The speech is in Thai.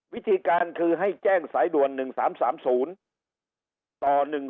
วิธีการคือให้แจ้งสายด่วน๑๓๓๐ต่อ๑๒